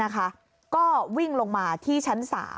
ก็วิ่งลงมาที่ชั้น๓